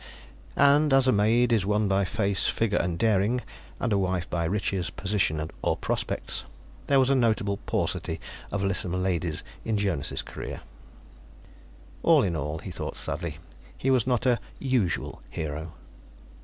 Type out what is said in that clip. And, as a maid is won by face, figure and daring, and a wife by riches, position or prospects, there was a notable paucity of lissome ladies in Jonas' career. All in all, he thought sadly, he was not a usual hero.